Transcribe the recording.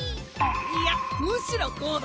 いやむしろこうだ。